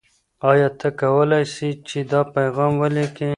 آیا ته کولای سې چې دا پیغام ولیکې؟